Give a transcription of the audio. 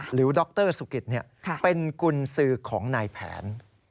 หรือดรสุกิตนี่เป็นกุญสือของนายแผน